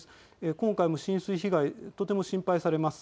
今回も浸水被害とても心配されます。